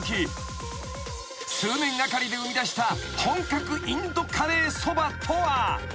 ［数年がかりで生みだした本格インドカレーそばとは］